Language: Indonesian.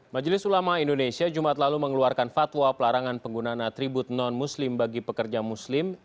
majelis ulama indonesia jumat lalu mengeluarkan fatwa pelarangan penggunaan atribut non muslim bagi pekerja muslim